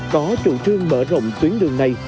có chủ trương mở rộng tuyến đường này